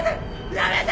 やめて！